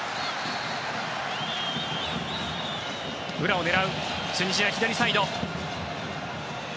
裏を狙う、チュニジア左サイド。